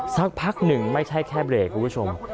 สักพักหนึ่งไม่ใช่แค่เบรกคุณผู้ชม